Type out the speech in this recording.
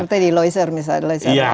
seperti di loiser misalnya